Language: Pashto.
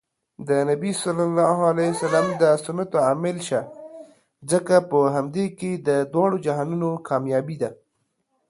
د نبي ص د سنتو عاملشه ځکه په همدې کې د دواړو جهانونو کامیابي